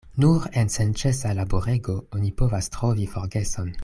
Nur en senĉesa laborego oni povas trovi forgeson.